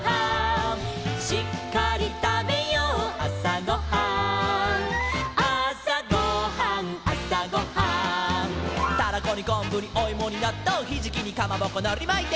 「しっかりたべようあさごはん」「あさごはんあさごはん」「タラコにこんぶにおいもになっとう」「ひじきにかまぼこのりまいて」